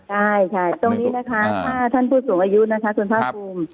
ใช่ค่ะตรงนี้นะคะถ้าท่านผู้สูงอายุนะคะคุณภาคภูมิ